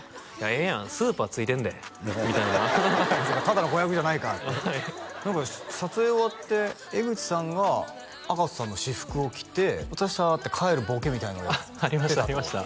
「ええやんスーパー付いてんで」みたいなただの子役じゃないからってはい何か撮影終わって江口さんが赤楚さんの私服を着て「お疲れさまでした」って帰るボケみたいなのをありましたありました